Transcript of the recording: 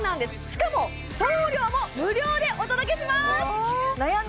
しかも送料も無料でお届けします！